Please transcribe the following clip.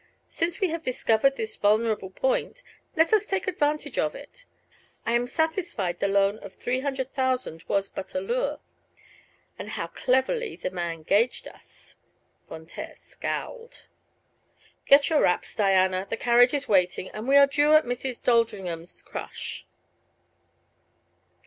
Since we have discovered this vulnerable point, let us take advantage of it. I am satisfied the loan of three hundred thousand was but a lure and how cleverly the man gauged us!" Von Taer scowled. "Get your wraps, Diana. The carriage is waiting, and we are due at Mrs. Doldringham's crush."